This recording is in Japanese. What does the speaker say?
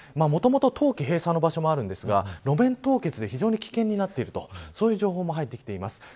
もともと冬期閉鎖の場所もあるんですが路面凍結で非常に危険になっているという情報も出ています。